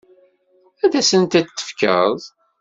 Ad asent-ten-tefkeḍ?